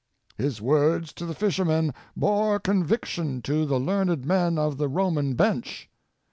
His words to the fishermen bore conviction to the learned men of the Roman bench.